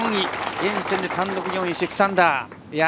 現時点で単独４位、６アンダー。